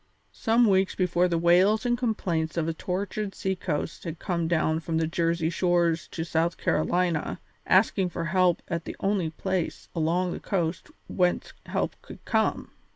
Some weeks before the wails and complaints of a tortured sea coast had come down from the Jersey shores to South Carolina, asking for help at the only place along that coast whence help could come.